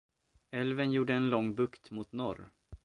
Älven gjorde en lång bukt mot norr.